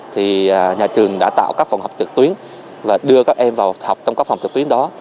thì nhà trường đã tạo các phòng học trực tuyến và đưa các em vào học trong các phòng trực tuyến đó